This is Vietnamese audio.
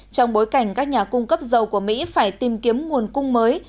trong bối cảnh các nhà cung cấp dầu của mỹ phải tìm kiếm nguồn cung mới